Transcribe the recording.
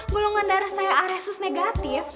golongan darah saya aresus negatif